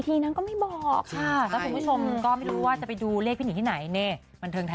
พี่แจ๊กวันหลังแนะน่ำไม่ต้องถามเลขจากพี่นิ้ง